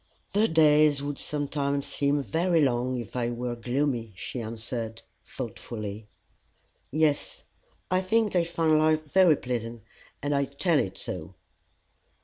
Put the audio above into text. "The days would sometimes seem very long if I were gloomy," she answered, thoughtfully. "Yes, I think I find life very pleasant, and I tell it so."